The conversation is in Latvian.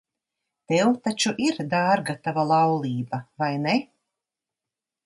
Tev taču ir dārga tava laulība, vai ne?